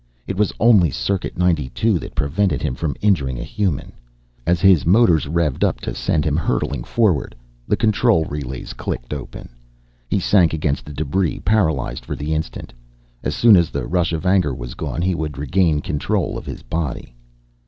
It was only Circuit 92 that prevented him from injuring a human. As his motors revved up to send him hurtling forward the control relays clicked open. He sank against the debris, paralyzed for the instant. As soon as the rush of anger was gone he would regain control of his body.